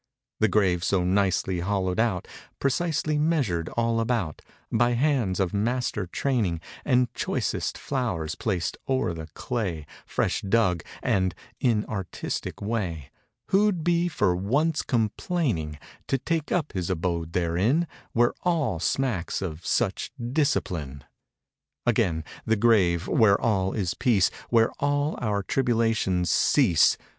The grave, so nicely hollowed out; Precisely measured all about By hands of master training And choicest flowers placed o'er the clay Fresh dug, and in artistic way, Who'd be for once complaining To take up his abode therein Where all smacks of such discipline! 96 Again, the grave, where all is peace Where all our tribulations cease!